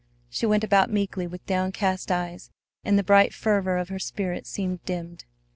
She went about meekly with downcast eyes, and the bright fervor of her spirit seemed dimmed.